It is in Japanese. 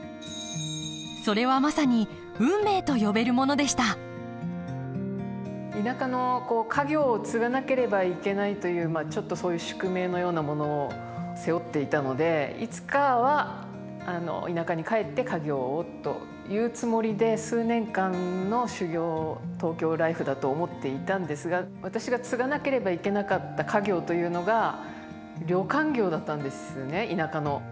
それはまさに運命と呼べるものでした田舎の家業を継がなければいけないというちょっとそういう宿命のようなものを背負っていたのでいつかは田舎に帰って家業をというつもりで数年間の修業東京ライフだと思っていたんですが私が継がなければいけなかった家業というのが旅館業だったんですね田舎の。